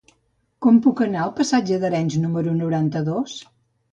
Com puc anar al passatge d'Arenys número noranta-dos?